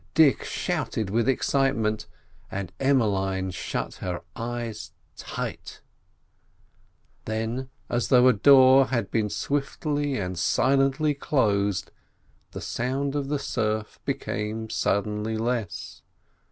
Dick shouted with excitement, and Emmeline shut her eyes tight. Then, as though a door had been swiftly and silently closed, the sound of the surf became suddenly less.